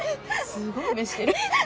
すごい目してる。